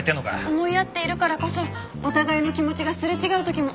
思い合っているからこそお互いの気持ちがすれ違う時もありますって。